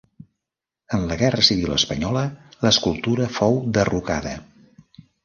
En la Guerra Civil Espanyola l'escultura fou derrocada.